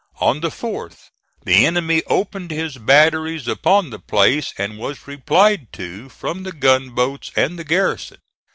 On the 4th the enemy opened his batteries upon the place, and was replied to from the gunboats and the garrison.